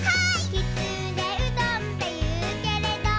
「きつねうどんっていうけれど」